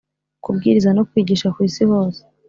Kubwiriza no kwigisha ku isi hose